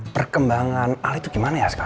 perkembangan ali itu gimana